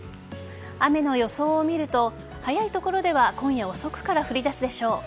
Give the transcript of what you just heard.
雨の予想を見ると早い所では今夜遅くから降り出すでしょう。